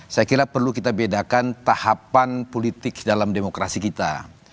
saya kira perlu kita bedakan tahapan politik dalam demokrasi kita